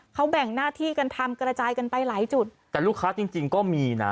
เขาแบ่งหน้าที่กันทำกระจายกันไปหลายจุดแต่ลูกค้าจริงจริงก็มีนะ